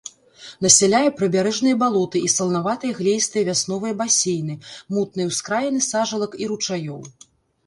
Насяляе прыбярэжныя балоты і саланаватыя глеістыя вясновыя басейны, мутныя ўскраіны сажалак і ручаёў.